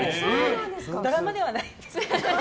ドラマではないんですけど。